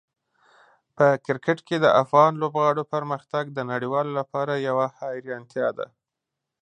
په کرکټ کې د افغان لوبغاړو پرمختګ د نړیوالو لپاره یوه حیرانتیا ده.